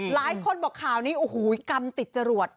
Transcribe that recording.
หลายคนบอกข่าวนี้โอ้โหกรรมติดจรวด